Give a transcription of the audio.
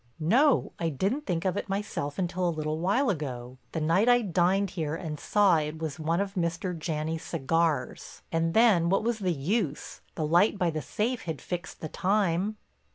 "No, I didn't think of it myself until a little while ago—the night I dined here and saw it was one of Mr. Janney's cigars. And then what was the use—the light by the safe had fixed the time."